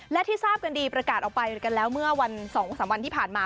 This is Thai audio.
และที่ทราบกันดีประกาศออกไปกันแล้วเมื่อวัน๒๓วันที่ผ่านมา